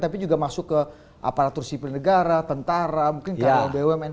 tapi juga masuk ke aparatur sipil negara tentara mungkin karena bumn